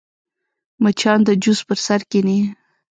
مچان د جوس پر سر کښېني